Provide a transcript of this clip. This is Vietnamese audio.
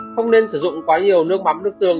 không nên sử dụng quá nhiều nước mắm nước tương